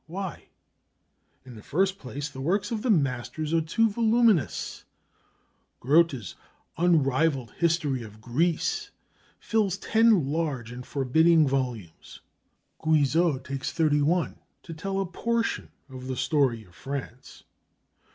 Why? In the first place, the works of the masters are too voluminous. Grote's unrivalled history of Greece fills ten large and forbidding volumes. Guizot takes thirty one to tell a portion of the story of France.